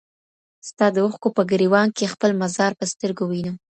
ستا د اوښکو په ګرېوان کي خپل مزار په سترګو وینم